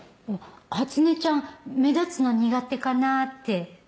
初音ちゃん目立つの苦手かなって。